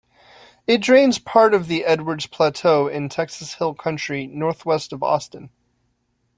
It drains part of the Edwards Plateau in Texas Hill Country northwest of Austin.